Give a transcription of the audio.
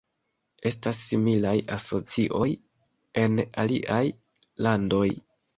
Estas similaj asocioj en aliaj landoj.